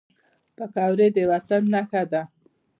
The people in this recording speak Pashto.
پکورې د وطن نښه ده